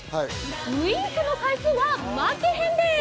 ウインクの回数は負けへんで！